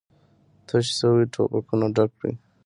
تش شوي ټوپکونه ډک کړئ!